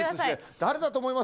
誰だと思います？